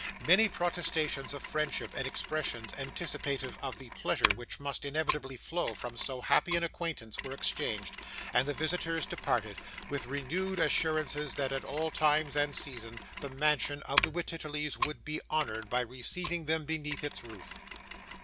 Many protestations of friendship, and expressions anticipative of the pleasure which must inevitably flow from so happy an acquaintance, were exchanged, and the visitors departed, with renewed assurances that at all times and seasons the mansion of the Wititterlys would be honoured by receiving them beneath its roof.